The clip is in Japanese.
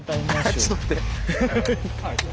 あっちょっと待って。